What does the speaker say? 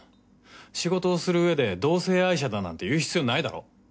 仕事をするうえで同性愛者だなんて言う必要ないだろ。